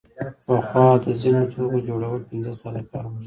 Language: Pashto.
پخوا د ځینو توکو جوړول پنځه ساعته کار غوښت